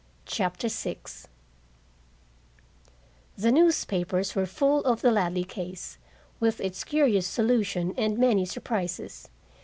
CHAPTER VI The newspapers were full of the Ladley case, with its curious solution and many surprises.